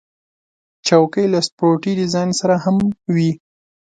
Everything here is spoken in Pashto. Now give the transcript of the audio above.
چوکۍ له سپورټي ډیزاین سره هم وي.